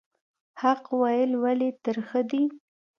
حق ویل ولې ترخه دي؟